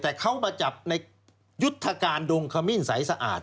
แต่เขามาจับในยุทธการดงขมิ้นใสสะอาด